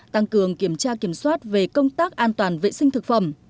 tăng cường kiểm tra kiểm soát về công tác an toàn vệ sinh thực phẩm